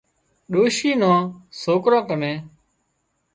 ڏوشي نان سوڪران ڪنين